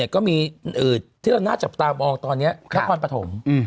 ก็มีที่เราน่าจะตามมองตอนนี้นักความปฐม